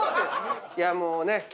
いやもうね。